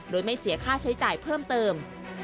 โดยไม่เสียค่าใช้จ่ายเพิ่มเติม